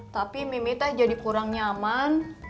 tapi mimin teh jadi kurang nyaman